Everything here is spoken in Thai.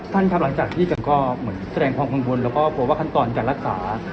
ท่านครับหลังจากที่ก็เหมือนแสดงความข้างบนแล้วก็โทรศัตริย์ขั้นตอนการรักษา